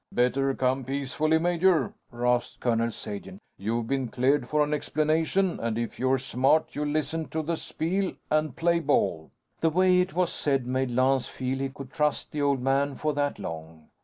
"Better come peacefully, major," rasped Colonel Sagen. "You've been 'cleared' for an explanation and if you're smart, you'll listen to the spiel and play ball." The way it was said made Lance feel he could trust the Old Man for that long.